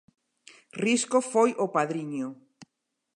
Risco foi o padriño.